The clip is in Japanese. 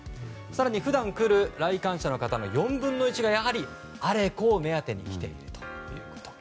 更に、普段来る来館者の方の４分の１がやはり「アレコ」を目当てに来ているということ。